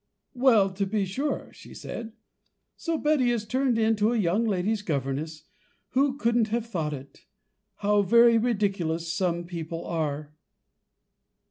"Well, to be sure," she said, "so Betty is turned into a young lady's governess; who could have thought it? How very ridiculous some people are!"